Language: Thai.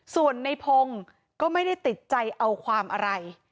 ส่วนในพงศ์ก็ไม่ได้ติดใจเอาความอะไร